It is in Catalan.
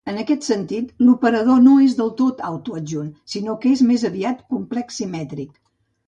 En aquest sentit, l'operador no és del tot autoadjunt, sinó que és més aviat complex-simètric.